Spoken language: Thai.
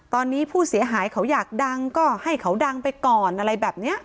ตอนนี้ผู้เสียหายเขาอยากดังก็ให้เขาดังไปก่อนอะไรแบบนี้